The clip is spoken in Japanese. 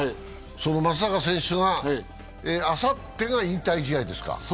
その松坂選手、あさってが引退試合ですか。